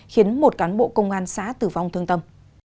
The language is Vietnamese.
khiến một cán bộ công an xã tử vong thương tâm